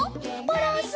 バランス。